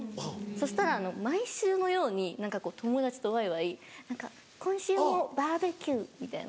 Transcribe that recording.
そしたら毎週のように何かこう友達とワイワイ「今週もバーベキュー」みたいな。